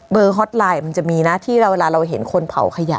ฮอตไลน์มันจะมีนะที่เวลาเราเห็นคนเผาขยะ